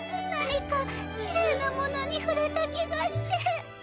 何かきれいなものに触れた気がして。